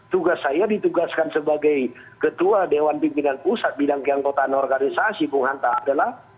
tugas saya ditugaskan sebagai ketua dewan pimpinan pusat bidang keangkotaan organisasi punghanta adalah